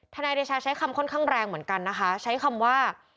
นายเดชาใช้คำค่อนข้างแรงเหมือนกันนะคะใช้คำว่า